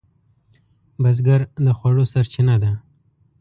بزګر د خوړو سرچینه ده